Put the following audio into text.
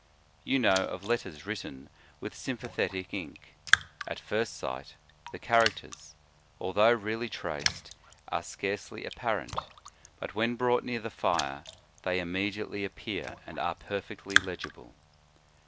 You know of letters written with sympa thetic ink. At first sight, the characters, although really traced, are scarcely apparent, but when brought near the fire, they immedi ately appear, and are perfectly legible.